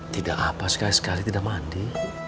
tidak apa sekali sekali tidak mandi